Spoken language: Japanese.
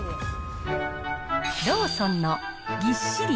ローソンのぎっしり！